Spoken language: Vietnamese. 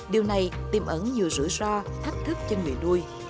điều này tiêm ẩn nhiều rủi ro thách thức cho người nuôi